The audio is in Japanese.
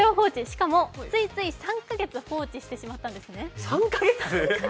しかも、ついつい３か月放置してしまったんですね。